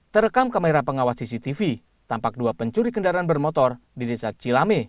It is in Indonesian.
terekam kamera pengawas cctv tampak dua pencuri kendaraan bermotor di desa cilame